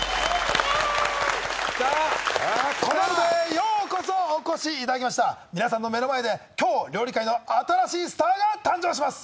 ようこそお越しいただきました皆さんの目の前で今日料理界の新しいスターが誕生します